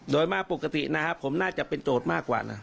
โดยมาปกตินะครับผมน่าจะเป็นโจทย์มากกว่านะ